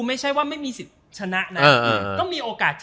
ให้ช่างภาพมาจับก่อน